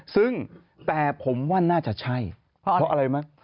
ซึ่งแต่ผมว่าน่าจะใช่เพราะอะไรมั้ย